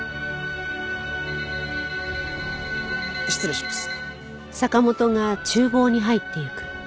失礼します。